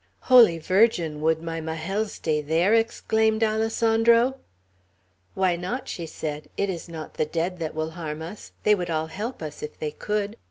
"Holy Virgin! would my Majel stay there?" exclaimed Alessandro. "Why not?" she said. "It is not the dead that will harm us. They would all help us if they could.